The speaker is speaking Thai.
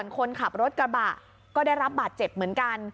คนขับรถกระบะก็ได้รับบาดเจ็บเหมือนกัน